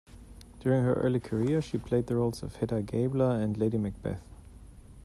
During her early career, she played the roles of Hedda Gabler and Lady Macbeth.